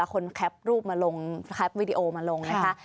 คนแคปรูปมาลงแคปวิดีโอมาลงนะคะ